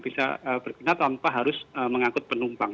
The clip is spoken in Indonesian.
bisa berkenat tanpa harus mengangkut penumpang